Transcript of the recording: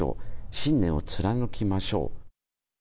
信念を貫きましょう。